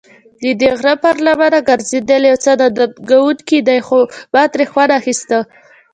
ددې غره پر لمنه ګرځېدل یو څه ننګوونکی دی، خو ما ترې خوند اخیسته.